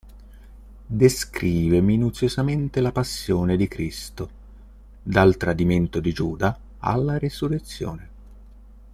Descrive minuziosamente la passione di Cristo, dal tradimento di Giuda alla resurrezione.